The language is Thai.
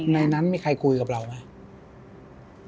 ในนั้นมีใครคุยกับเราไหม